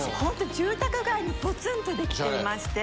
住宅街にポツンと出来てまして。